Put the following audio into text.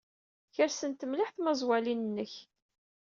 Kersent mliḥ tmaẓwalin-nnek.